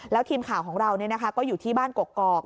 แล้วทีมข่าวของเราก็อยู่ที่บ้านกกอก